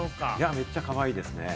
めっちゃかわいいですね。